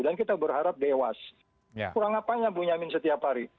dan kita berharap dewas kurang apanya bu yamin setiap hari